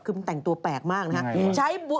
คือมันแต่งตัวแปลกมากนะครับ